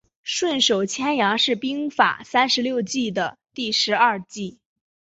顺手牵羊是兵法三十六计的第十二计。